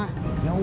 ya udah berapa aja